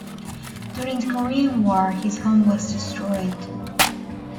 During the Korean War, his home was destroyed.